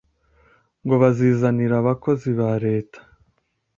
Ngo bazizanira abakozi ba leta